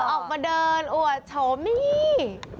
ออกมาเดินโอ๊ะโชว์มี